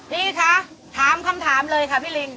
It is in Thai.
พี่คะถามคำถามเลยค่ะพี่ลิง